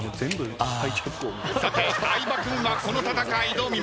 さて相葉君はこの戦いどう見ますか？